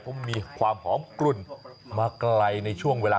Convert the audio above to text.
เพราะมีความหอมกลุ่นมาไกลในช่วงเวลา